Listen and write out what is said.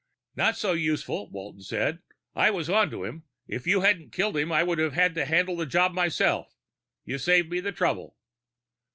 "Not so useful," Walton said. "I was on to him. If you hadn't killed him, I would have had to handle the job myself. You saved me the trouble."